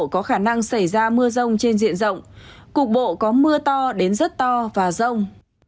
có khả năng xảy ra mưa rông trên diện rộng cục bộ có mưa to đến rất to và rông